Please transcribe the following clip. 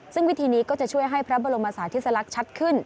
ซึ่งวิธีนี้ก็จะช่วยให้พระบรมศาสธิสลักษณ์ชัดขึ้น